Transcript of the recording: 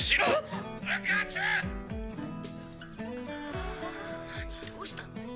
どうしたの？